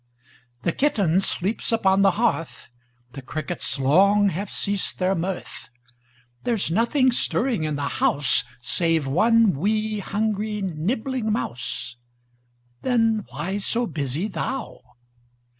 The kitten sleeps upon the hearth, The crickets long have ceased their mirth; There's nothing stirring in the house Save one 'wee', hungry, nibbling mouse, Then why so busy thou?